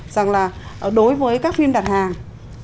rằng là đối với các phim đặt hàng